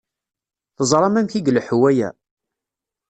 Teẓṛam amek i ileḥḥu waya?